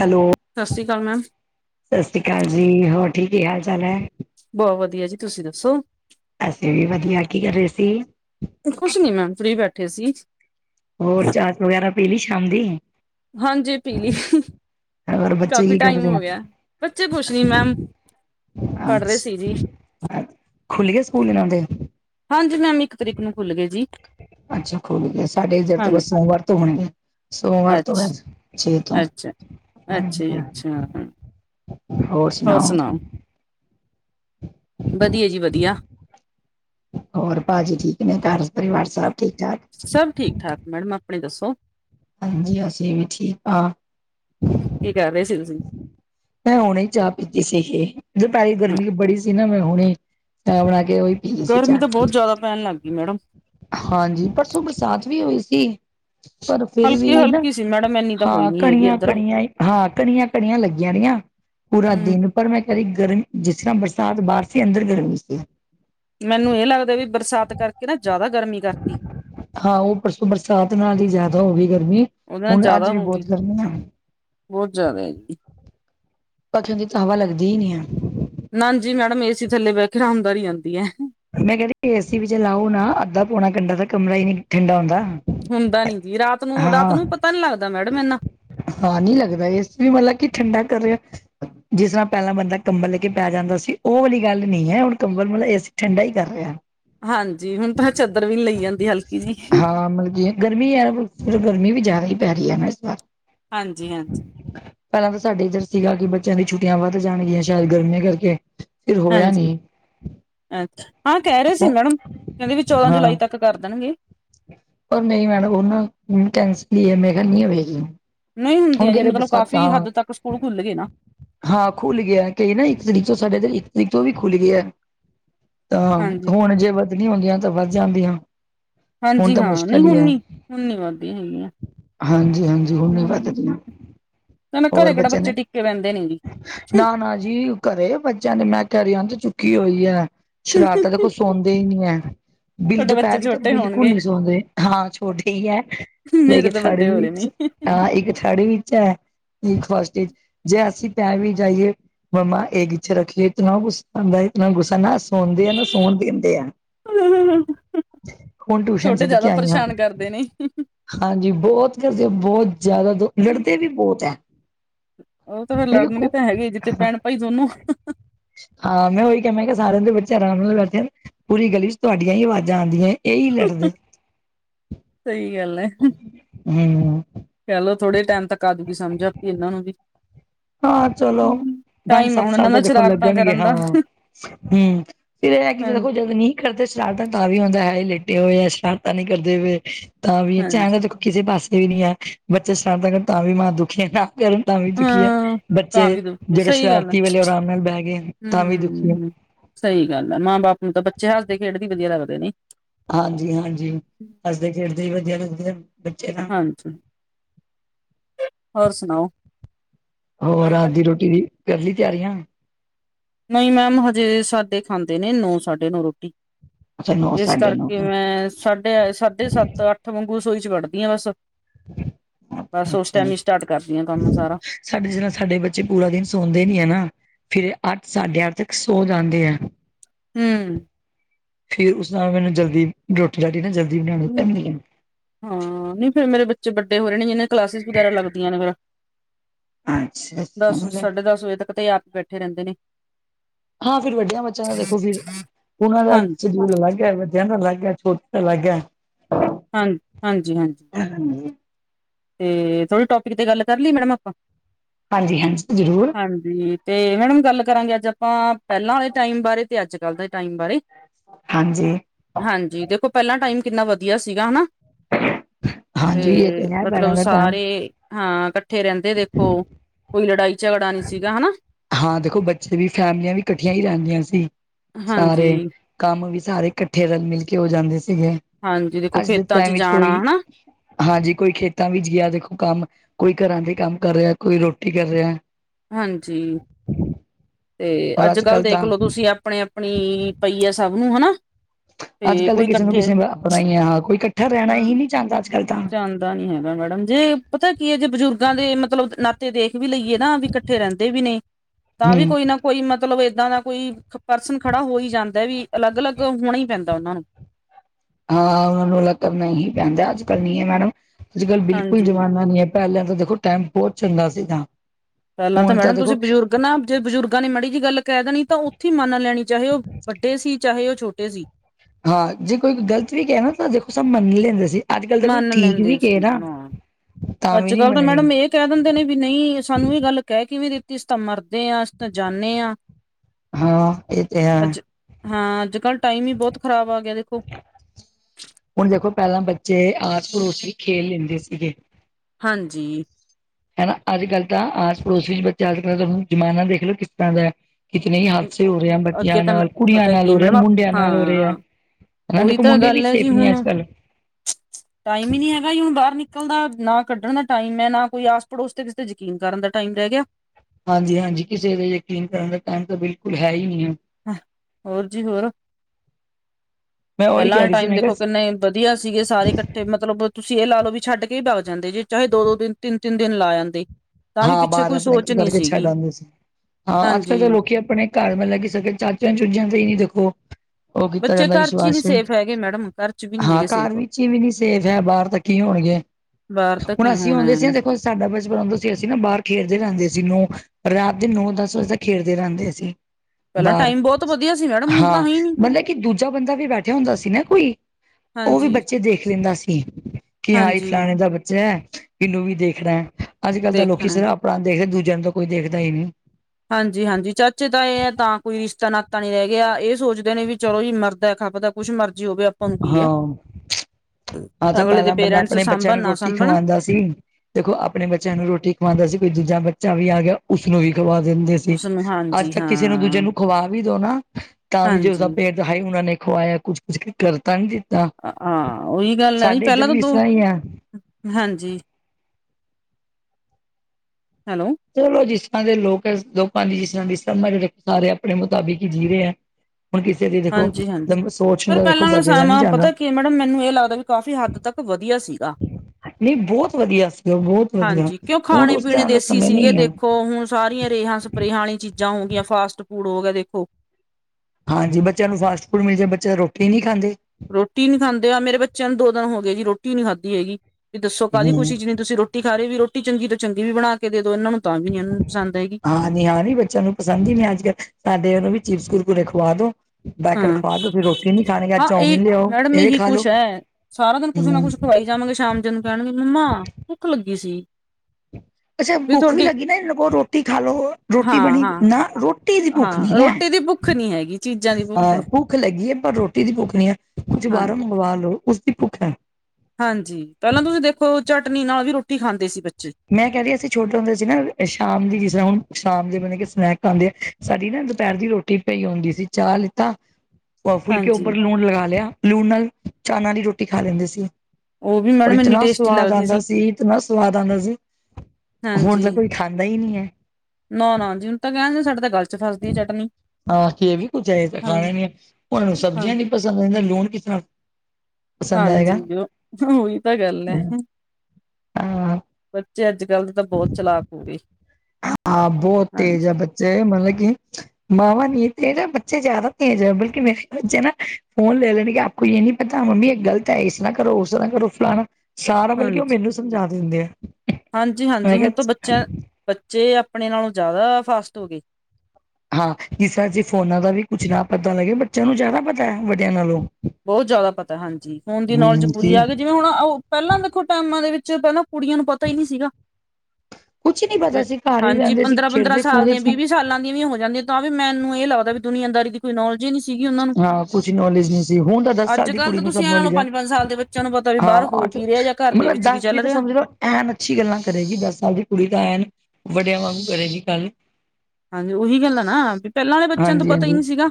Hello ਸਸ ਸੀ ਕਾਲ ਮੈਮ। ਸਾਸੀਕਾਲ ਜੀ, ਹੋਰ ਠੀਕ, ਕੀ ਹਾਲ ਚਾਲ ਹੈ? ਬਹੁ ਵਧੀਆ ਜੀ, ਤੁਸੀਂ ਦੱਸੋ? ਅਸੀਂ ਵੀ ਵਧੀਆ, ਕੀ ਕਰ ਰਹੇ ਸੀ? ਕੁਛ ਨੀ ਮੈਮ, ਫਰੀ ਬੈਠੇ ਸੀ। ਹੋਰ ਚਾਅ ਵਗੈਰਾ ਪੀ ਲਈ ਸ਼ਾਮ ਦੀ। ਹਾਂਜੀ ਪੀ ਲਈ ਹੋਰ ਬੱਚੇ ਕਾਫੀ ਕੀ ਟਾਈਮ ਕਰਦੇ ਆ? ਹੋ ਗਿਆ ਬੱਚੇ ਕੁਛ ਨੀ ਮੈਮ ਪੜ੍ਹ ਰਹੇ ਸੀ ਜੀ ਅੱਛਾ, ਅੱ ਖੁੱਲਗੇ ਸਕੂਲ ਇਹਨਾਂ ਦੇ? ਹਾਂਜੀ, ਮੈਮ ਇੱਕ ਤਰੀਕ ਨੂੰ ਖੁੱਲ ਗਏ ਜੀ। ਅੱਛਾ ਖੁੱਲ ਗਏ, ਸਾਡੇ ਇੱਧਰ ਤੋਂ ਹਾਂਜੀ ਬਸ ਸੋਮਵਾਰ ਤੋਂ ਹੋਣਗੇ। ਸੋਮਵਾਰ ਤੋਂ ਬਾਅਦ ਅੱਛਾ ਛੇ ਤੋਂ ਅੱਛਾ ਅੱਛਾ ਹਾਂਜੀ ਜੀ, ਹਾਂ, ਅੱਛਾ। ਹੋਰ ਸੁਣਾਓ? ਵਧੀਆ ਜੀ, ਵਧੀਆ। ਹੋਰ ਭਾਜੀ ਠੀਕ ਨੇ, ਘਰ ਪਰਿਵਾਰ ਸਭ ਠੀਕ-ਠਾਕ। ਸਭ ਠੀਕ ਠਾਕ ਮੈਡਮ ਆਪਣੇ ਦੱਸੋ? ਹਾਂਜੀ ਅਸੀਂ ਵੀ ਠੀਕ ਹਾਂ ਕੀ ਕਰ ਰਹੇ ਸੀ, ਤੁਸੀਂ? ਮੈਂ ਹੁਣੇ ਚਾਹ ਪੀਤੀ ਸੀਗੀ, ਦੋਪੈਹਰੀ ਗਰਮੀ ਬੜੀ ਸੀ ਨਾ, ਮੈ ਹੁਣੇ ਚਾਹ ਬਣਾ ਕੇ ਉਹੀ। ਪੀ ਲਈ ਸੀ ਗਰਮੀ ਚਾਹ। ਤਾਂ ਬਹੁਤ ਜ਼ਿਆਦਾ ਪੈਣ ਲੱਗ ਗਈ ਮੈਡਮ। ਹਾਂਜੀ, ਪਰਸੋਂ ਬਰਸਾਤ ਵੀ ਹੋਈ ਸੀ। ਪਰ ਫਿਰ ਹਲਕੀ ਵੀ ਨਾ ਹਲਕੀ ਸੀ ਮੈਡਮ ਇੰਨੀ ਤਾਂ ਹੋਈ ਹਾਂ ਨੀ ਹੈਗੀ ਕਣੀਆਂ- ਇੱਧਰ ਕਣੀਆਂ ਹਾਂ ਕਣੀਆਂ- ਕਣੀਆਂ ਲੱਗੀਆਂ। ਪੂਰਾ ਹਮ ਦਿਨ ਪਰ ਮੈ ਕਦੀ ਗਰ, ਜਿਸ ਤਰ੍ਹਾਂ ਬਰਸਾਤ ਬਾਹਰ ਸੀ ਅੰਦਰ ਗਰਮੀ ਸੀ। ਮੈਨੂੰ ਇਹ ਲੱਗਦਾ ਵੀ ਬਰਸਾਤ ਕਰਕੇ ਨਾ ਜ਼ਿਆਦਾ ਗਰਮੀ ਕਰਤੀ। ਹਾਂ ਔ ਪਰਸੋਂ ਬਰਸਾਤ ਨਾਲ ਹੀ ਜਾਦਾ ਹੋ ਗਈ ਗਰਮੀ ਹੁਣ ਅੱਜ ਵੀ ਬੋਤ ਗਰਮੀ ਆ। ਬੋਤ ਜਾਦਾ ਹੈਗੀ। ਪਖੇ ਦੀ ਤਾਂ ਹਵਾ ਲੱਗਦੀ ਹੀ ਨੀ ਹੈ। ਨਾਂਜੀ ਮੈਡਮ ਏਸੀ ਥੱਲੇ ਬੈਕੇ ਰਾਮਦਾਰੀ ਆਂਦੀ ਐ। ਮੈਂ ਕਹਿੰਦੀ ਏਸੀ ਵੀ ਚਲਾ ਔ ਨਾ, ਅੱਧਾ ਪਾੌਣਾ ਘੰਟਾ ਤਾਂ ਕਮਰਾ ਹੀ ਨੀ ਠੰਡਾ ਹੁੰਦਾ। ਹੁੰਦਾ ਨੀ ਜੀ ਰਾਤ ਨੂੰ ਰਾਤ ਹਾਂ ਨੂੰ ਪਤਾ ਨੀ ਲੱਗਦਾ ਮੈਡਮ ਐਨਾ। ਹਾਂ ਨੀ ਲੱਗਦਾ ਏਸੀ ਵਾਲਾ ਕਿ ਠੰਡਾ ਕਰਰਿਹੇ। ਜਿਸ ਤਰ੍ਹਾਂ ਪੈਲਾਂ ਬੰਦਾ ਕੰਬਲ ਲੈ ਕੇ ਪੈ ਜਾਂਦਾ ਸੀ ਓ ਵਾਲੀ ਗੱਲ ਨੀ ਐ ਹੁਣ ਕੰਬਲ ਮਤਲਬ ਏ ਸੀ ਠੰਡਾ ਹੀ ਕਰ ਰਿਹਾ। ਹਾਂਜੀ ਹੁਣ ਤਾਂ ਚਦਰ ਵੀ ਨੀ ਲਈ ਜਾਂਦੀ ਹਲਕੀ ਜੀ ਹਈ ਹਾਂ ਮਲ ਕੀ [unintelligible] ਗਰਮੀ ਐਹੋ। ਫਿਰ ਗਰਮੀ ਵੀ ਜਿਆਦਾ ਹੀ ਪੈ ਰਹੀ ਹੈ। ਨਾ ਇਸ ਵਾਰ- ਹਾਂਜੀ ਹਾਂਜੀ। ਪੈਲਾਂ ਤਾਂ ਸਾਡੇ ਇੱਧਰ ਸੀਗਾ ਕਿ ਬੱਚਿਆਂ ਦੀ ਛੁੱਟੀਆਂ ਵੱਧ ਜਾਣਗੀਆਂ ਸ਼ਾਇਦ ਗਰਮੀਆਂ ਕਰਕੇ ਫਿਰ ਹੋਇਆ ਨੀ। ਹਾਂਜੀ ਅੱਛ। ਹਾਂ ਕੈ ਰੇ ਸੀ ਮੈਡਮ ਕੈਂਦੇ ਵੀ ਚੌਦਾਂ ਜੁਲਾਈ ਤੱਕ ਕਰ ਦੇਣਗੇ। ਓ ਨਈ ਮੈਡਮ ਔ ਨਾ ਕੈਂਸਲੀ ਏ ਮੈਂ ਕਿਹਾ ਨਈ ਹੋਵੇਗੀ। ਨਈ ਹੁਣ ਹੁੰਦੀਆਂ ਜੀ ਕਹਿ ਰਹੇ ਮਤਲਬ ਕਾਫ਼ੀ ਬਰਸਾਤਾਂ ਹੱਦ ਤੱਕ ਸਕੂਲ ਖੁੱਲ ਗਏ ਨਾ। ਹਾਂ ਖੁੱਲ ਗਿਆ। ਕਈ ਨਾ ਇੱਕ ਤਰੀਕ ਤੋਂ ਸਾਡੇ ਤਾਂ ਇੱਕ ਤਰੀਕ ਤੋਂ ਵੀ ਖੁੱਲ ਗਿਆ। ਤਾਂ ਹਾਂਜੀ। ਹੁਣ ਜੇ ਵੱਧਣੀ ਹੁੰਦੀਆਂ ਤਾਂ ਵੱਧ ਜਾਂਦੀਆਂ। ਹੁਣ ਹਾਂਜੀ ਤਾਂ ਹਾਂ ਨਹੀ ਮੁਸ਼ਕਿਲ ਹੀ ਹੈ। ਹੁਣਨੀ ਹੁਣ ਨੀ ਵੱਧਦੀਆਂ ਹੈਗੀਆਂ। ਹਾਂਜੀ-ਹਾਂਜੀ ਹੁਣ ਨੀ ਹੂੰ ਵੱਧਦੀਆਂ। ਕਹਿੰਦਾ ਹੋਰ ਘਰੇ ਕਿਹੜਾ ਬੱਚੇ ਨੇ ਟਿੱਕੇ ਬਹਿੰਦੇ ਨੇ ਜੀ। ਨਾ ਨਾ ਜੀ ਘਰੇ ਔ ਬੱਚਿਆਂ ਦੇ ਮੈਂ ਕਿਹਾ ਘਰੇ ਅੱਤ ਚੁੱਕੀ ਹੋਈ ਹੈ। ਸ਼ਰਾਰਤਾ ਦੇਖੋ ਤੁਹਾਡੇ ਸੌਦੇ ਹੀ ਨੀ ਐ ਬਿਲ ਬੱਚੇ ਦੁਪੈਰੀ ਤਾਂ ਛੋਟੇ ਬਿਲਕੁੱਲ ਹੋਣਗੇ ਨੀ ਸੌਦੇ। ਹਾਂ ਛੋਟੇ ਈ ਐ। ਮੇਰੇ ਇੱਕ ਤਾਂ ਵੱਡੇ ਥਰੜ ਹੋ ਰਹੇ ਨੇ। ਵਿੱਚ ਹਾਂ, ਇੱਕ ਥਰੜ ਵਿੱਚ ਐ [unintelligible] ਜੇ ਅਸੀਂ ਪੈ ਵੀ ਜਾਈਏ ਮਮਾ ਏਕ ਗਿਛਾ ਰੱਖੀਏ, ਇਤਨਾ ਗੁੱਸਾ ਆਂਦਾ ਇਤਨਾ ਗੁੱਸਾ ਨਾ ਅਸੀਂ ਸੋਦੇ ਆ ਨਾ, ਸੌਣ ਦੇਦੇ ਆ। ਹੁਣ ਟੂਸ਼ਨ ਛੋਟੇ ਛੱਡ ਜ਼ਿਆਦਾ ਕੇ ਆਈ ਹਾਂ। ਪਰੇਸ਼ਾਨ ਕਰਦੇ ਨੇ। ਹਾਂਜੀ ਬਹੁਤ ਕਰਦੇ ਬਹੁਤ ਜ਼ਿਆਦਾ ਦੋ ਲੜਦੇ ਵੀ ਬਹੁਤ ਐ। ਔਹ ਤਾਂ ਫਿਰ ਲੜਨਗੇ ਤਾਂ ਹੈਗੇ, ਈ ਜਿੱਥੇ ਭੈਣ ਭਾਈ ਦੋਨੋ ਹੀ ਹ ਹ ਹ ਹਾਂ, ਮੈਂ ਔਹੀ ਕਿਹਾ। ਮੈਂ ਕਿਹਾ ਸਾਰਿਆਂ ਦੇ ਬੱਚੇ ਆਰਾਮ ਨਾਲ ਬੈਠੇ ਹਨ। ਪੂਰੀ ਗਲੀ ਚ ਤੁਹਾਡੀਆਂ ਹੀ ਆਵਾਜ਼ਾਂ ਆਉਂਦੀਆਂ ਏ। ਇਹੀ ਲੜਦੇ ਨ ਸਈ ਗੱਲ ਐ ਹੁ ਹ ਹੂੰਮ। ਪਹਿਲੋ ਥੋੜੇ ਟਾਈਮ ਤੱਕ ਆਜੂ ਗੀ ਵੀ ਸਮਝ ਇਹਨਾਂ ਨੂੰ ਵੀ। ਹਾਂ ਚਲੋ, ਪੰਜ ਟਾਈਮ ਆ ਸੱਤ ਹੁਣ ਇਹਨਾਂ ਸਾਲ ਦਾ ਤੋਂ ਦੇਖੋ ਸ਼ਰਾਰਤਾਂ ਲੱਗਣਗੇ ਕਰਨ ਹਾਂ। ਦਾ [inaudible] ਹਮ ਫਿਰ ਇਹ ਕਿ ਹਾਂਜੀ ਦੇਖੋ ਜਦ ਨੀ ਕਰਦੇ ਸ਼ਰਾਰਤਾਂ ਤਾਂ ਵੀ ਹੁੰਦਾ ਹੈ। ਹਏ ਲੇਟੇ ਹੋਏ ਆ ਸ਼ਰਾਰਤਾਾਂ ਨੀ ਕਰਦੇ ਪਏ ਤਾਂ ਵੀ ਚੈਨ ਹਾਂਜੀ ਦੇਖੋ ਕਿਸੇ ਪਾਸੇ ਵੀ ਨੀ ਏ, ਬੱਚੇ ਸ਼ਰਾਰਤਾ ਕਰਨ ਤਾਂ ਵੀ ਮਾਂ ਦੁਖੀ ਐ, ਨਾ ਕਰਨ ਤਾਂ ਵੀ ਦੁਖੀ ਐ। ਹਾਂ ਤਾਂ ਵੀ ਦੁਖੀ ਏ, ਸਹੀ ਗੱਲ ਆ ਆਰਾਮ ਨਾਲ ਬਹਿ ਗਏ [inaudible] ਤਾਂ ਵੀ ਦੁਖੀ ਹੈ ਹਮ। ਸਹੀ ਗੱਲ ਹੈ। ਮਾਂ ਬਾਪ ਨੂੰ ਤਾਂ ਬੱਚੇ ਹੱਸਦੇ ਖੇਡਦੇ ਵਧੀਆ ਲਗਦੇ ਨੇ। ਹਾਂਜੀ, ਹਾਂਜੀ। ਹੱਸਦੇ ਖੇਡਦੇ ਵੀ ਵਧੀਆ ਲੱਗਦੇ ਆ ਬੱਚੇ ਨਾ ਹਾਂਜੀ ਹੋਰ ਸੁਣਾਓ ਹੋਰ, ਰਾਤ ਦੀ ਰੋਟੀ ਦੀ, ਕਰਲੀ ਤਿਆਰੀਆਂ। ਨਹੀਂ ਮੈਮ, ਹਜੇ ਤੇ ਸਾਡੇ ਖਾਂਦੇ ਨੇ, ਨੌ ਸਾਡੇ ਨੋ ਰੋਟੀ ਅੱਛਾ ਨੌ ਇਸ ਸਾਢੇ ਨੌ ਕਰਕੇ ਮੈਂ ਸਾਢੇ ਸਾਢੇ ਸੱਤ ਅੱਠ। ਅਠ ਵਾਂਗੂ ਰਸੋਈ ਚ ਵੜਦੀ ਆ ਅੱਛਾ ਬਸ-ਬਸ ਓਸ ਅੱਛਾ ਟਾਈਮ ਈ ਸਟਾਰਟ ਕਰਦੀ ਆ ਕੰਮ ਸਾਰਾ। ਸਾਡੇ ਜਿਾਂ ਸਾਡੇ ਬੱਚੇ ਪੂਰਾ ਦਿਨ ਸੌਂਦੇ ਨੀ ਹੈ ਨਾ ਫੇਰ ਅੱਠ ਸਾਢੇ ਅੱਠ ਤੱਕ ਸੌ ਜਾਂਦੇ ਆ ਹਮ। ਫੇਰ ਉਸ ਨਾਲ ਮੈਨੂੰ ਜਲਦੀ ਰੋਟੀ ਲਾਟੀ ਨਾ ਜਲਦੀ ਨ ਬਣਾਉਣੀਦੀ। ਹਾਂ ਨਹੀਂ ਫੇਰ ਮੇਰੇ ਬੱਚੇ ਵੱਡੇ ਹੋ ਰਹੇ ਨੇ। ਜਿੇਨ ਕਲਾਸਿਸ ਵਗੈਰਾ ਲੱਗਦੀਆਂ ਨੇ। ਫਿਰ ਅੱਛਾ ਦਸ ਅੱਛਾ ਸਾਢੇ ਦਸ ਵਜੇ ਤੱਕ ਤੇ ਏ ਆਪ ਹੀ ਬੈਠੇ ਰੈਂਦੇ ਨੇ। ਹਾਂ ਫਿਰ ਵੱਡਿਆਂ ਬੱਚਿਆਂ ਦਾ ਦੇਖੋ ਫਿਰ ਉਹਨਾਂ ਦਾ। ਹਾਂਜੀ ਲੱਗ ਵਧੀਆ ਨਾਂ ਲੱਗ ਛੋਟ ਲੱਗ। ਹਾਂ ਹਾਂਜੀ - ਹਾਂਜੀ। ਹਮ। ਤੇ ਥੋੜ੍ਹੀ ਟੋਪਿਕ ਤੇ ਗੱਲ ਕਰ ਲਈ। ਮੈਡਮ ਆਪਾਂ? ਹਾਂਜੀ - ਹਾਂਜੀ ਜ਼ਰੂਰ। ਹਾਂਜੀ। ਤੇ ਮੈਡਮ ਗੱਲ ਕਰਾਂਗੇ ਅੱਜ ਆਪਾਂ। ਪਹਿਲਾਂ ਵਾਲੇ ਟਾਈਮ ਬਾਰੇ ਤੇ ਅੱਜ- ਕੱਲ ਦੇ ਟਾਈਮ ਬਾਰੇ। ਹਾਂਜੀ। ਹਾਂਜੀ ਦੇਖੋ ਪਹਿਲਾਂ ਟਾਈਮ ਕਿੰਨਾ ਵਧੀਆ ਸੀਗਾ ਹਨਾ। ਹਾਂਜੀ ਇਹ ਤੇ ਯਾਰ। ਮਤਲਬ ਸਾਰੇ ਹਾਂ ਇਕੱਠੇ ਰਹਿੰਦੇ ਦੇਖੋ। ਕੋਈ ਲੜਾਈ ਝਗੜਾ ਨਹੀਂ ਸੀਗਾ ਹਨਾ ਹਾਂ ਦੇਖੋ ਬੱਚੇ ਵੀ ਫੈਮਲੀਆਂ ਵੀ ਇਕੱਠੀਆਂ ਹੀ ਰਹਿੰਦੀਆਂ ਸੀ। ਸਾਰੇ ਹਾਂਜੀ। ਕੰਮ ਵੀ ਸਾਰੇ ਇਕੱਠੇ ਰਲ ਮਿਲ ਕੇ ਹੋ ਜਾਂਦੇ ਸੀਗੇ। ਹਾਂਜੀ ਦੇਖੋ ਅੱਜ ਦੇ ਖੇਤਾਂ 'ਚ ਟਾਈਮ ਵਿੱਚ ਜਾਣਾ ਕੋਈ? ਹਨਾ ਹਾਂਜੀ ਕੋਈ ਖੇਤਾਂ ਵਿੱਚ ਗਿਆ ਦੇਖੋ ਕੰਮ ਕੋਈ ਘਰਾਂ ਦੇ ਕੰਮ ਕਰ ਰਿਹਾ। ਕੋਈ ਰੋਟੀ ਕਰ ਰਿਹਾ। ਹਾਂਜੀ। ਤੇ ਅੱਜ -ਕੱਲ੍ਹ ਦੇਖ ਲੋ ਤੁਸੀਂ ਆਪ ਆਪਣੀ-ਆਪਣੀ ਪਈ ਆ ਸਭ ਨੂੰ ਹਨਾ। ਤੇ ਅੱਜ-ਕੱਲ ਤਾਂ ਕੋਈ ਕਿਸੇ ਨੂੰ ਇਕੱਠੇ ਕਿਸੇ ਆਪਣਾ ਹੀ ਹੈ। ਹ ਕੋਈ ਇਕੱਠਾ ਰਹਿਣਾ ਹੀ ਨਹੀਂ ਚਾਹੁੰਦਾ ਅੱਜ- ਕੱਲ ਤਾਂ ਦਾ ਨੀ ਹੈਗਾ ਮੈਡਮ ਜੇ ਪਤਾ ਕੀ ਹੈ। ਜੇ ਬਜ਼ੁਰਗਾਂ ਦੇ ਮਤਲਬ ਨਾਤੇ ਦੇਖ ਵੀ ਲਈਏ ਨਾ ਵੀ। ਉੱਥੇ ਰਹਿੰਦੇ ਵੀ ਨੇ ਤਾਂ ਵੀ ਹਮ ਕੋਈ ਨਾ। ਕੋਈ ਮਤਲਬ ਇਏਦਾਂ ਦਾ ਕੋਈ ਪਰਸਨ ਖੜਾ ਹੋ ਹੀ ਜਾਂਦਾ। ਵੀ ਅਲੱਗ-ਅਲੱਗ ਹੋਣਾ ਹੀ ਪੈਂਦਾ ਉਹਨਾਂ ਨੂੰ ਹਾਂ ਉਹਨਾਂ ਨੂੰ ਅਲੱ ਕਰਨਾ ਹੀ ਪੈਂਦਾ ਅੱਜ - ਕੱਲ ਨ ਹੈ ਮੈਡਮ ਅੱਜ ਕੱਲ੍ਹ ਬਿਲਕੁਲ ਹਾਂਜੀ ਜਮਾਨਾ ਨੀ ਹੈ। ਪਹਿਲਾਂ ਤਾਂ ਦੇਖੋ ਟਾਈਮ ਪਹੁੰਚ ਜਾਂਦਾ ਸੀਗਾ। ਪਹਿਲਾਂ ਤਾਂ ਹੁਣ ਮੈਡਮ ਤੁਸੀਂ ਦੇਖੋ ਬਜ਼ੁਰਗ ਨਾ ਜੇ ਬਜ਼ੁਰਗ। ਜੇ ਮਾੜੀ ਜੀ ਗੱਲ ਕਿਹ ਦੇਣੀ। ਤਾਂ ਉੱਥੇ ਮੰਨ ਲੈਣੀ ਚਾਹੇ ਉਹ ਵੱਡੇ ਸੀ ਚਾਹੇ। ਉਹ ਛੋਟੇ ਸੀ। ਹਾਂ। ਜੇ ਕੋਈਈ ਗਲਤ ਵੀ ਕਹਿ ਨਾ ਤਾਂ ਦੇਖੋ ਸਭ ਮੰਨ ਲੈਂਦੇ ਸੀ। ਅੱਜ ਕੱਲ ਤਾਂ ਕੁਝ ਮੰਨ ਠੀਕ ਵੀ ਲੈਂਦੇ ਕੇ ਨਾ ਸੀ ਤਾਂ ਵੀ ਨਹੀਂ ਮੰਨਣੀ। ਕਿਹ ਦਿੰਦੇ ਨੇ ਵੀ ਨਈ ਸਾਨੂੰ ਏ ਗੱਲ ਕੈ ਕਿਵੇਂ ਦਿੱਤੀ। ਅਸੀ ਤਾਂ ਮਰਦੇ ਆ ਅਸੀ ਤਾਂ ਜਾਂਨੇ ਆ। ਹਾਂ ਇਹ ਤੇ ਹੈ। ਹਾਂ ਅੱਜ- ਕੱਲ੍ਹ ਟਾਈਮ ਹੀ ਬਹੁਤ ਖ਼ਰਾਬ ਆ ਗਿਆ ਦੇਖੋ। ਹੁਣ ਦੇਖੋ ਪਹਿਲਾਂ ਬੱਚੇ ਆਸ - ਪੜੋਸ ਖੇਲ ਲੈਂਦੇ ਸੀਗੇ। ਹਾਂਜੀ। ਹਨਾ ਅੱਜ ਕੱਲ੍ਹ ਤਾਂ ਆਸ - ਪੜੋਸ ਵਿੱਚ ਬੱਚਾ ਅੱਜ ਕ ਜ਼ਮਾਨਾ ਦੇਖ ਲਓ ਕਿਸ ਤਰ੍ਹਾਂ ਦਾ ਹੈ। ਕਿਤੇ ਹੀ ਹਾਦਸੇ ਹੋ ਰਹੇ ਆਂ। ਬੱਚਿਆਂ ਅੱਗੇ ਤਾਂ ਮੈਂ ਨਾਲ ਕੁੜੀਆਂ ਪਤਾ ਨਾਲ ਕੀ ਹੋ ਰਹੇ ਮੈਡਮ ਮੁੰਡਿਆਂ ਨਾਲ ਹੋ ਰਹੇ ਆ। ਹਾਂ ਹਨਾ। ਉਹੀ ਦੇਖੋ ਤਾਂ ਮੁੰਡੇ ਵੀ ਗੱਲ ਹੈ ਜੀ ਸੇਫ ਨੀ ਅੱਜ ਹੁਣ - ਕੱਲ ਟਾਈਮ ਹੀ ਨੀ ਹੈਗਾ ਜ ਹੁਣ ਬਾਹਰ ਨਿਕਲਦਾ ਨਾ ਕੱਢਣ ਦਾ ਟਾਈਮ ਹੈ। ਨਾ ਕੋਈ ਆਸ - ਪੜੋਸ ਦੇ ਤੇ ਯਕੀਨ ਕਰਨ ਦਾ ਟਾਈਮ ਰਹਿ ਗਿਆ। ਹਾਂਜੀ - ਹਾਂਜੀ ਕਿਸੇ ਕਲੀਨ ਕਰਨ ਦਾ ਟਾਈਮ ਤਾਂ ਬਿਲਕੁਲ ਹੈ। ਹੀ ਨਹੀਂ ਹੈ। ਹੋਰ ਜੀ ਹੋਰ। ਮੈਂ ਉਹੀ ਪਹਿਲਾਂ ਕਹਿ ਆਲੇ ਰਹੀ ਸੀ ਟਾਈਮ ਮੈਂ ਦੇਖੋ ਕਿਹਾ ਕਿੰਨੇ। ਵਧੀਆ ਸੀਗੇ। ਸਾਰੇ ਇਕੱਠੇ ਮਤਲਬ ਤੁਸੀਂ ਏ ਲਾ ਲੋ ਵੀ ਛੱਡ ਕੇ ਈ ਬਗ ਜਾਂਦੇ ਜੇ ਚਾਹੇ ਦੋ-ਦੋ ਤਿੰਨ-ਤਿੰਨ। ਤਿੰਨ - ਦਿਨ ਲਾ ਜਾਂਦੀ। ਹਾਂ ਬਾਰ ਆਪਣੇ ਕਰਕੇ ਛੱਡ ਆਂਦੇ ਸੀ ਹਾਂ ਅੱਜ - ਕੱਲ੍ਹ ਤਾਂ ਹਾਂਜੀ ਲੋਕੀ ਆਪਣੇ। ਘਰ ਮਤਲਬ ਕਿ ਸਕੇ ਚਾਚੀਆਂ - ਚੁਰਜੀਆਂ ਤੇ ਹੀ ਨੀ ਦੇਖੋ। ਉਹ ਕੀਤਾ ਬੱਚੇ ਜਾਂਦਾ ਘਰ ਚ ਹੀ ਨਹੀਂ ਵਿਸ਼ਵਾਸ ਸੇਫ ਹੈਗੇ ਮੈਡਮ ਘਰ ਚ ਵੀ ਨਹੀਂ ਹਾਂ। ਹੈਗੇ ਘਰ ਸੇਫ ਵਿੱਚ ਹੀ ਵੀ ਨੀ ਸੇਫ ਹੈ ਬਾਹਰ ਤਾਂ। ਕੀ ਹੋਣਗੇ। ਬਾਹਰ ਤਾਂ ਹੁਣ ਕੀ ਅਸੀਂ ਹੋਣਾ ਆਉਂਦੇ ਹੈ ਸੀ ਦੇਖੋ ਸਾਡਾ ਬਚਪਨ ਅਸੀਂ ਨਾ ਬਾਹਰ ਖੇਡਦੇ ਰਹਿੰਦੇ ਸੀ ਨੌ ਰਾਤ ਦੇ ਨੌਂ - ਦਸ ਵਜੇ ਤੱਕ ਖੇਡਦੇ ਰਹਿੰਦੇ। ਅਸੀਂ ਪਹਿਲਾ ਟਾਈਮ ਬਹੁਤ ਵਧ ਹਾਂ ਮਤਲਬ ਕਿ ਦੂਜਾ ਬੰਦਾ ਵੀ ਬੈਠਿਆ ਹੁੰਦਾ ਸੀ ਨਾ ਕੋਈ। ਉਹ ਵੀ ਹਾਂਜੀ ਬੱਚੇ ਦੇਖ ਲੈਂਦਾ ਸੀ ਕਿ ਹਾਈ ਹਾਂਜੀ ਫਲਾਣੇ ਦਾ ਬੱਚਾ ਹੈ। ਇਹਨੂੰ ਵੀ ਦੇਖਣਾ ਹੈ ਅੱਜ ਕੱਲ੍ਹ ਤਾਂ ਲੋਕੀ ਦੇਖਣਾ ਸਿਰਫ ਆਪਣਾ ਨੂੰ ਦੇਖਦੇ ਦੂਜਿਆਂ ਨੂੰ ਤਾਂ ਕੋਈ ਦੇਖਦਾ ਹੀ ਨਹੀਂ ਹਾਂਜੀ-ਹਾਂਜੀ ਚਾਚੇ ਤਾਏ ਤਾ ਕੋਈ ਰਿਸ਼ਤਾ ਨਾਤਾ ਨੀ ਰੈ ਗਿਆ ਏ ਸੋਚਦੇ ਨੇ ਵੀ ਚਲੋ ਜੀ ਮਰਦੈ ਖਪਦੈ ਕੁਛ ਮਰਜ਼ੀ ਹੋਵੇ ਆਪਾਂ ਨੂੰ ਕੀ ਹੈ। ਹਾਂ ਤਾਂ ਅਗਲੇ ਦੇ ਪਹਿਲਾਂ ਬੰਦਾ ਪੇਰੈਂਟਸ ਆਪਣੇ ਬੱਚਿਆਂ ਸਾਂਭਣ ਨੂੰ ਨਾ ਰੋਟੀ ਸਾਂਭਣ ਖਵਾਉਂਦਾ ਸੀ। ਦੇਖੋ ਆਪਣੇ ਬੱਚਿਆਂ ਨੂੰ ਰੋਟੀ ਖਵਾਉਂਦਾ ਸੀ ਕੋਈ ਦੂਜਾ ਬੱਚਾ ਵੀ ਆ ਗਿਆ ਉਸਨੂੰ ਵੀ ਖਵਾ ਦਿੰਦੇ ਸੀ। ਉਸ ਨੂੰ ਅੱਜ ਹਾਂਜੀ ਤੱਕ ਕਿਸੇ ਨੂੰ ਦੂਜੇ ਹਾਂ ਨੂੰ ਖਵਾ ਵੀ ਦੋ ਨਾ ਤਾਂ ਵੀ ਜੇ ਹਾਂਜੀ ਉਸਦਾ ਪੇਟ ਰਿਹਾਈ ਉਨਾਂ ਨੇ ਖਵਾਇਆ ਕੁੱਛ-ਕੁੱਛ ਕਰਤਾ ਨੀ ਦਿੱਤਾ। ਹਾਂ ਉਹੀ ਗੱਲ ਹੈ ਜੀ ਸਾਡੇ ਪਹਿਲਾਂ ਇੱਧਰ ਤਾਂ ਵੀ ਇਸ ਦੋ ਤਰ੍ਹਾਂ ਹੀ ਆ। ਹਾਂਜੀ। ਹੈਲੋ। ਚਲੋ ਜਿਸ ਤਰ੍ਹਾਂ ਦੇ ਲੋਕ ਦੋ ਪੰਜ ਜਿਸ ਤਰ੍ਹਾਂ ਦੀ ਸਮਝ ਸਾਰੇ ਆਪਣੇ ਮੁਤਾਬਿਕ ਹੀ ਜੀ ਰਹੇ ਹੈ। ਹਾਂਜੀ ਹਾਂਜੀ ਸੋਚ ਪਰ ਦਾ ਦੇਖੋ ਬਦਲਦਾ ਨੀ ਪਹਿਲਾਂ ਜਾਂਦਾ ਪਤਾ ਕੀ ਮੈਡਮ ਮੈਨੂੰ ਇਹ ਲੱਗਦਾ ਕਾਫ਼ੀ ਹੱਦ ਤੱਕ ਵਧੀਆ ਸੀਗਾ। ਨਹੀਂ ਬਹੁਤ ਵਧੀਆ ਸੀਗਾ ਉਹ ਬਹੁਤ ਵਧੀਆ ਹਾਂਜੀ ਕਿਉਂ ਹੁਣ ਖਾਣੇ ਉਸ ਪੀਣੇ ਟਾਈਮ ਦਾ ਦੇਸੀ ਸਮੇਂ ਸੀਗੇ ਨਹੀਂ ਹੈ ਦੇਖੋ ਹੁਣ ਸਾਰੀਆਂ ਰੇਹਾਂ ਸਪਰੇਹਾਂ ਵਾਲੀਆਂ ਚੀਜ਼ਾਂ ਹੋ ਗਈ ਫਾਸਟ ਫੂਡ ਹੋ ਗਿਆ ਦੇਖੋ ਹਾਂਜੀ ਬੱਚਿਆਂ ਨੂੰ ਫਾਸਟ ਫੂਡ ਮਿਲ ਜਾਵੇ ਬੱਚੇ ਰੋਟੀ ਨਹੀਂ ਖਾਂਦੇ। ਰੋਟੀ ਨੀ ਖਾਂਦੇ ਆ ਮੇਰੇ ਬਚਿਆਂ ਨੂੰ ਦੋ ਦਿਨ ਹੋ ਗਏ ਜੀ ਰੋਟੀ ਨੀ ਖਾਧਦੀ ਹੈਗੀ ਵੀ ਦੱਸੋ ਕਾਹਦੀ ਹੂੰ, ਖੁਸ਼ੀ ਚ ਨਹੀਂ ਤੁਸੀਂ ਰੋਟੀ ਰੋਟੀ ਖਾ ਰੇ ਵੀ ਰੋਟੀ ਚੰਗੀ ਤੋਂ ਚੰਗੀ ਵੀ ਬਣਾ ਕੇ ਦੇ ਦੋ ਏਨਾਂ ਨੂੰ ਤਾਂ ਵੀ ਏਨਾ ਨੂੰ ਪਸੰਦ ਹੈਗੀ। ਹਾਂ ਨੀ ਆ ਵੀ ਬੱਚਿਆਂ ਨੂੰ ਪਸੰਦ ਈ ਨੀ ਅੱਜ ਕੱਲ੍ਹ ਸਾਡੇ ਓਨੂੰ ਵੀ ਚਿਪਸ ਕੁਰਕਰੇ ਖਵਾ ਦੋ। ਬੈਕਟ ਹਾਂ ਖਵਾ ਦੋ ਫਿਰ ਰੋਟੀ ਨੀ ਖਾਣੀਗੇ ਹਾਂ ਇਹ ਚੌਮਿਨ ਲਿਆਓ ਮੈਡਮ ਏ ਇਹੀ ਖਾ ਕੁਛ ਲੋੋ। ਹੈ ਸਾਰਾ ਦਿਨ ਕੁਛ ਨਾ ਕੁਛ ਖਵਾਈ ਜਾਵਾਂਗੇ ਸ਼ਾਮ ਜੇ ਨੂੰ ਕਹਿਣਗੇ ਮੰਮਾ ਭੁੱਖ ਲੱਗੀ ਸੀ ਅੱਛਾ ਭੁੱਖ ਵੀ ਲੱਗੀ ਨਾ ਕੋ ਰੋਟੀ ਖਾਲੋ ਹਾਂ ਰੋਟੀ ਬਣੀ ਹਾਂ ਨਾ ਰੋਟੀ। ਦੀ ਭੁੱਖ ਹਾਂ ਨੀ ਹੈ। ਰੋਟੀ ਦੀ ਭੁੱਖ ਨਹੀਂ ਹੈਗੀ। ਚੀਜ਼ਾਂ ਦੀ ਹੈ ਹਾਂ ਭੁੱਖ ਲੱਗੀ ਹੈ। ਪਰ ਰੋਟੀ ਦੀ ਭੁੱਖ ਨੀ ਹੈ ਕੁਝ ਹਾਂ ਬਾਹਰੋਂ ਮੰਗਵਾ ਲਓ ਉਸਦੀ ਭੁੱਖ ਹੈ। ਹਾਂਜੀ ਪਹਿਲਾਂ ਤੁਸੀਂ ਦੇਖੋ ਚਟਨੀ ਨਾਲ ਵੀ ਰੋਟੀ ਖਾਂਦੇ ਸੀ ਬੱਚੇ ਮੈਂ ਕਹਿ ਰਹੀ ਅਸੀਂ ਛੋਟੇ ਹੁੰਦੇ ਸੀ ਨਾ ਸ਼ਾਮ ਦੀ ਜਿਸ ਤਰ੍ਹਾਂ ਹੁਣ ਸ਼ਾਮ ਦੇ ਮਤਲਬ ਕਿ ਸਨੈਕ ਖਾਂਦੇ ਆ ਸਾਡੀ ਨਾ ਦੁਪਹਿਰ ਦੀ ਰੋਟੀ ਪਈ ਆਉਂਦੀ ਸੀ ਚਾਹ ਲਿੱਤਾ ਉਹ ਫੁਲਕੇ ਉੱਪਰ ਹਾਂਜੀ ਲੂਣ ਲਗਾ ਲਿਆ ਲੂਣ ਨਾਲ ਚਨਾ ਦੀ ਰੋਟੀ ਖਾ ਲੈਂਦੇ ਸੀ। ਉਹ ਵੀ ਔਰ ਮੈਡਮ ਇੰਨੀ ਇਤਨਾ ਟੇਸਟੀ ਸਵਾਦ ਲੱਗਦੀ ਆਉਂਦਾ ਸੀ ਇਤਨਾ ਸਵਾਦ ਆਉਂਦਾ ਸੀ। ਹੁਣ ਹਾਂਜੀ ਤਾਂ ਕੋਈ ਖਾਂਦਾ ਈ ਨੀ ਐ। ਨਾ ਨਾ ਜੀ ਹੁਣ ਤਾਂ ਕਹਿਣ ਦੇ ਸਾਡੇ ਤਾਂ ਗੱਲ ਚ ਫਸਦੀ ਆ ਚਟਨੀ ਆ ਕੇ ਇਹ ਵੀ ਕੁੱਝ ਆ ਤਾਂ ਖਾਣਾ ਹਾਂਜੀ ਨੀ ਆ ਉਹਣ ਨੂੰ ਹਾਂ ਸਬਜ਼ੀਆਂ ਨੀ ਪਸੰਦ ਆਦਾ ਲੂਣ ਕਿਸ ਤਰ੍ਹਾਂ। ਪਸੰਦ ਹਾਂਜੀ ਆਏਗਾ ਓਹੀ ਤਾਂ ਗੱਲ ਐ। ਆ ਅੱਜ ਕੱਲ ਦੇ ਤਾਂ ਬਹੁਤ ਚਲਾਕੂਗੀ ਹਾਂ ਬਹੁਤ ਤੇਜ਼ ਹੈ ਬੱਚੇ ਮਤਲਬ ਕਿ ਮਾਵਾਂ ਨੀ ਤੇਰੇ ਬੱਚੇ ਜ਼ਿਆਦਾ ਤੇਜ ਆ ਬਲਕਿ ਮੇਰੇ ਬੱਚੇ ਨਾ ਫੋਨ ਲੈ ਲੈਣਗੇ ਕੋਈ ਇਹ ਨੀ ਪਤਾ ਮੰਮੀ ਇਹ ਗਲਤ ਹੈ ਇਸਰ੍ਹਾਂ ਕਰੋ ਉਸ ਤਰ੍ਹਾਂ ਕਰੋ ਫਲਾਣਾ ਸਾਰਾ ਮਤਲਬ ਕਿ ਉਹ ਮੈਨੂੰ ਸਮਝਾ ਦਿੰਦੇ ਆ ਹਾਂਜੀ ਮੈਂ ਹਾਂਜੀ ਕਿਹਾ ਹੁਣ ਤਾਂ ਬੱਚਿਆਂ ਬੱਚੇ ਆਪਣੇ ਨਾਲੋਂ ਜ਼ਿਆਦਾ ਫਾਸਟ ਹੋ ਗਏ ਹਾਂ ਕਿ ਸਰ ਜੇ ਫੋਨਾਂ ਦਾ ਵੀ ਕੁਛ ਨਾ ਪਤਾ ਲੱਗੇ ਬੱਚਿਆਂ ਨੂੰ ਜ਼ਿਆਦਾ ਪਤਾ ਵੱਡਿਆਂ ਨਾਲੋਂ ਬਹੁਤ ਜ਼ਿਆਦਾ ਪਤਾ ਹਾਂਜੀ ਫੋਨ ਦੀ ਨੌਲੇਜ ਹਮ ਪੂਰੀ ਕੀ ਆ ਗਏ ਜੀ ਹੁਣ ਪਹਿਲਾਂ ਦੇਖੋ ਟਾਈਮਾਂ ਦੇ ਵਿੱਚ ਪਹਿਲਾਂ ਕੁੜੀਆਂ ਨੂੰ ਪਤਾ ਹੀ ਨਹੀਂ ਸੀਗਾ ਕੁਛ ਨੀ ਪਤਾ ਤੇ ਸੀ ਘਰ ਹੀ ਹਾਂਜੀ ਰਹਿੰਦੇ ਸੀ ਪੰਦਰਾਂ ਪੰਦਰਾਂ ਖੇਡਦੇ ਸਾਲ ਖੂਡਦੇ ਦੀਆਂ ਸੀ ਵੀਹਵ ਛਾਲਾਂ ਦੀਆਂ ਵੀ ਹੋ ਜਾਂਦੀਆਂ ਤਾਂ ਵੀ ਮੈਨੂੰ ਇਹ ਲੱਗਦਾ ਵੀ ਦੁਨੀਆਂਆਦਾਰੀ ਦੀ ਕੋਈ ਨੌਲੇਜ ਹੀ ਨਹੀਂ ਸੀਗੀ ਉਹਨਾਂ ਨੂੰ ਹਾਂ ਕੁਛ ਨੌਲੇਜ ਨਹੀਂ ਸੀ ਹੁਣ ਦਸ ਸਾਲ ਦੀ ਅੱਜ-ਕੱਲ੍ਹ ਕੁੜੀ ਤਾਂ ਨੂੰ ਤੁਸੀਂ ਸਭ ਐ ਲਾ ਲਓ ਨੌਲਜ ਹੈ ਪੰਜ-ਪੰਜ ਸਾਲ ਦੇ ਬੱਚਿਆਂ ਨੂੰ ਪਤਾ ਵੀ ਬਾਹਰ ਹਾਂ ਹੋ ਅੱਠ ਕੀ ਰਿਹਾ ਜਾਂ ਘਰ ਦੇ ਮਤਲਬ ਵਿੱਚ ਕੀ ਦਸ ਦੀ ਚੱਲ ਤਾਂ ਰਿਹਾ। ਸਮਝ ਲ ਐਨ ਅੱਛੀ ਗੱਲਾਂ ਕਰੇਗੀ, ਦਸ ਸਾਲ ਦੀ ਕੁੜੀ ਤਾਂ ਐਨ ਵੱਡਿਆਂ ਵਾਂਗੂ ਕਰੇਗੀ ਗੱਲ ਹਾਂਜੀ ਉਹੀ ਗੱਲ ਐ ਨਾ ਪਹਿਲਾਂ ਵਾਲ ਦੇ ਬੱਚਿਆਂ ਤੋਂ ਹਾਂਜੀ ਪਤਾ ਹੀ ਹਾਂਜੀ ਨਹੀਂ ਸੀਗਾ,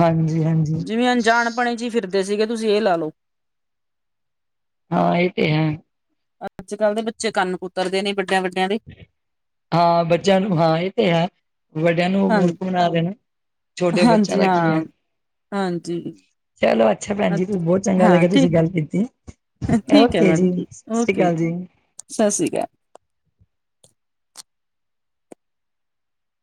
ਹਾਂਜੀ ਹਾਂਜੀ ਜਿਵੇਂ ਅਣਜਾਣ ਆਪਣੇ ਚ ਹੀ ਫਿਰਦੇ ਸੀਗੇ ਤੁਸੀਂ ਇਹ ਲਾ ਲੋ। ਹਾਂ ਇਹ ਤੇ ਹੈ। ਅੱਜ-ਕੱਲ੍ਹ ਦੇ ਬੱਚੇ ਕੰਨ ਕੁਤਰਦੇ ਨੇ ਵੱਡਿਆਂ ਦੇ, ਹਾਂ ਬੱਚਿਆਂ ਨੂੰ ਹਾਂ ਇਹ ਤੇ ਹੈ, ਵੱਡਿਆਂ ਨੂੰ ਹਾਂਜੀ। ਮੂਰਖ ਬਨਾ ਦੇਣਾ। ਛੋਟੇ ਬੱਚਿਆਂ ਹਾਂਜੀ, ਦਾ ਕੀ ਹਾਂ ਹੈ ਹਾਂਜੀ। ਚਲੋ ਅੱਛਾ ਭੈਣ ਜੀ, ਅੱ- ਬਹੁਤ ਚੰਗਾ ਹਾਂ ਲੱਗਿਆ ਤੁਸੀਂ ਠੀਕ, ਗੱਲ ਕੀਤੀ। ਠੀਕ ਹੈ ਓਕੇ ਮੈਡਮ ਜੀ ਠੀਕ ਸਤਿ ਸ੍ਰੀ ਓਕੇ ਅਕਾਲ ਜੀ। ਸਤਿ ਸ੍ਰੀ ਅਕਾਲ,